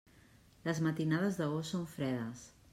Les matinades d'agost són fredes.